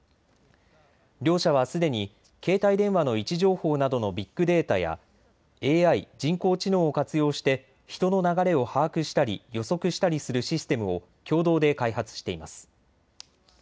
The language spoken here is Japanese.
両社はすでに携帯電話の位置情報などのビッグデータやＡＩ・人工知能を活用して人の流れを把握したり予測したりするシステムを共同で開発しています。